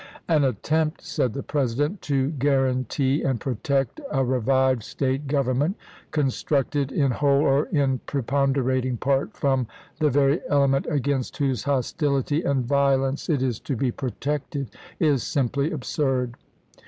" An attempt," said the President, " to guaranty and protect a revived State government con structed in whole or in preponderating part from the very element against whose hostility and vio lence it is to be protected, is simply absurd.